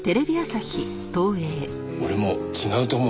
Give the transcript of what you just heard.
俺も違うと思うぞ。